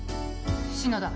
篠田。